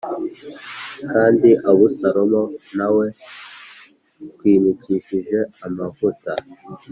Kandi Abusalomu na we twimikishije amavuta